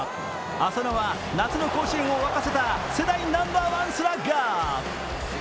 浅野は夏の甲子園を沸かせた世代ナンバーワンスラッガー。